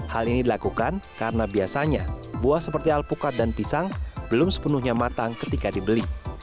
hal ini dilakukan karena biasanya buah seperti alpukat dan pisang belum sepenuhnya matang ketika dibeli